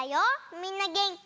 みんなげんき？